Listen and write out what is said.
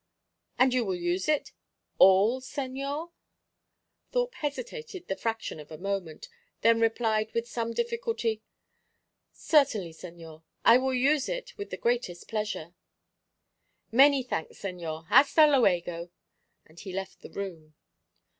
"And you will use it all, señor?" Thorpe hesitated the fraction of a moment, then replied with some difficulty, "Certainly, señor. I will use it with the greatest pleasure." "Many thanks, señor. Hasta luego!" And he left the room.